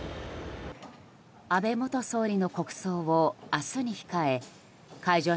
安倍元総理の国葬を明日に控え会場